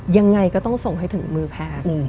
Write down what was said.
ยังไงก็ต้องส่งให้ถึงมือแพทย์